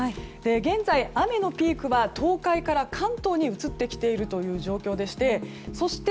現在、雨のピークは東海から関東に移ってきているという状況でしてそして、